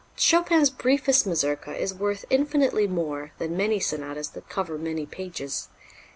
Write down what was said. Chopin's briefest mazurka is worth infinitely more than many sonatas that cover many pages.